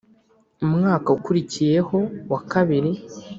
Umwaka ukurikiye ho wa kabiri